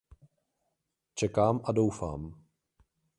Čekám a doufám.